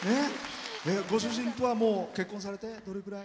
ご主人とは結婚されて、どのぐらい？